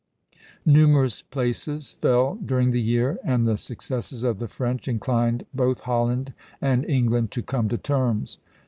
Numerous places fell during the year, and the successes of the French inclined both Holland and England to come to terms.